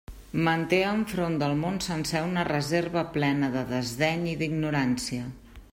Manté enfront del món sencer una reserva plena de desdeny i d'ignorància.